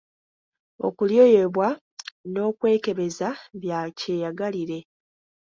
Okulyoyebwa n’okwekebeza bya kyeyagalire.